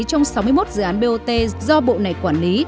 trong sáu mươi một dự án bot do bộ này quản lý